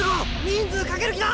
人数かける気だ！